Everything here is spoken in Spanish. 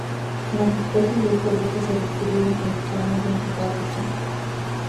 Las especies de este grupo se distribuyen principalmente en Sudáfrica.